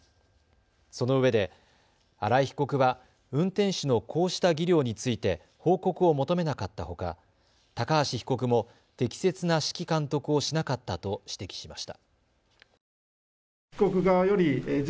そのうえで荒井被告は運転手のこうした技量について報告を求めなかったほか高橋被告も適切な指揮監督をしなかったと指摘しました。